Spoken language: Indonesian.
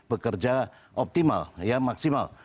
dapat bekerja optimal maksimal